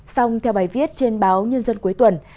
xong theo bài viết trên báo nhân dân cuối tuần